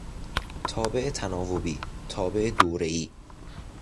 تابع تناوبی، تابع دورهای